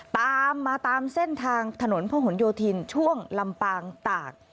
ตามมาตามเส้นทางถนนพระหลโยธินช่วงลำปางตาก